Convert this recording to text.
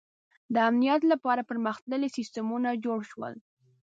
• د امنیت لپاره پرمختللي سیستمونه جوړ شول.